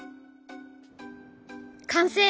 完成！